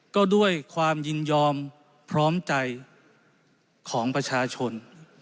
ก็ด้วยความยินยอมพร้อมใจของประชาชน